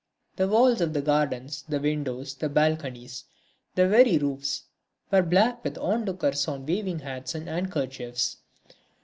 The walls of the gardens, the windows, the balconies, the very roofs were black with lookers on waving hats and handkerchiefs.